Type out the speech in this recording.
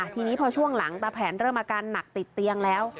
ทีนี้พอช่วงหลังตาแผนเริ่มอาการหนักติดเตียงแล้ว